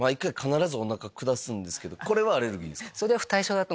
これはアレルギーですか？